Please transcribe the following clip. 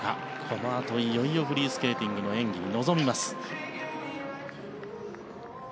このあと、いよいよフリースケーティングの演技に臨みます。